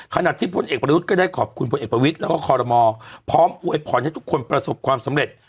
ขณะที่พลเอกประยุทธ์ก็ได้ขอบคุณพลเอกประวิทย์แล้วก็คอรมอพร้อมอวยพรให้ทุกคนประสบความสำเร็จ